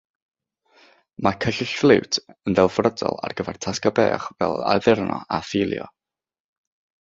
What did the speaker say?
Mae cyllyll ffliwt yn ddelfrydol ar gyfer tasgau bach fel addurno a philio.